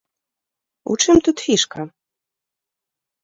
У чым тут фішка?